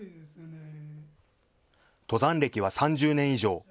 登山歴は３０年以上。